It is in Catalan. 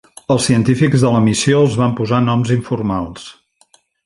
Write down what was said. Els científics de la missió els van posar noms informals.